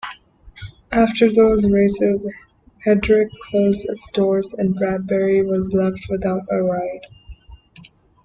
After those races, Hedrick closed its doors and Bradberry was left without a ride.